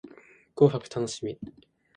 紅白楽しみ